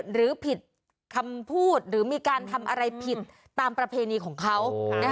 หรือผิดคำพูดหรือมีการทำอะไรผิดตามประเพณีของเขา